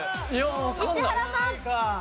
石原さん。